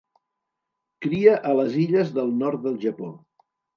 Cria a les illes del nord del Japó.